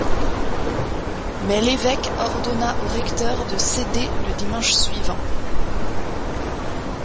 Mais l'évêque ordonna au recteur de céder le dimanche suivant.